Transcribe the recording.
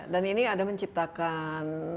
dan ini ada menciptakan